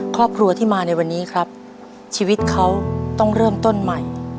ครอบครัวที่มาในวันนี้ครับชีวิตเขาต้องเริ่มต้นใหม่